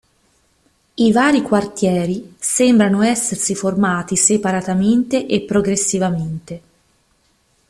I vari quartieri sembrano essersi formati separatamente e progressivamente.